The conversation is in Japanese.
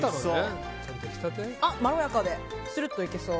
まろやかで、するっといけそう。